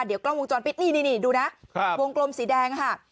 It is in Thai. เดี๋ยวกล้องวงจรปิดนี่ดูนะวงกลมสีแดงค่ะ